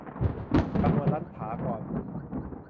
ประมวลรัษฎากร